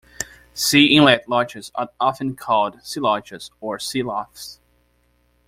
Sea-inlet lochs are often called sea lochs or sea loughs.